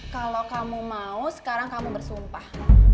kalau kamu mau sekarang kamu bersumpah